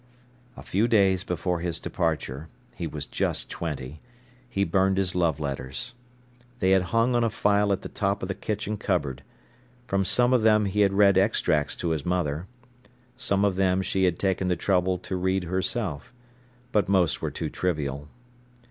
A few days before his departure—he was just twenty—he burned his love letters. They had hung on a file at the top of the kitchen cupboard. From some of them he had read extracts to his mother. Some of them she had taken the trouble to read herself. But most were too trivial.